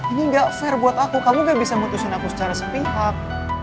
ini gak fair buat aku kamu gak bisa mutusin aku secara sepihak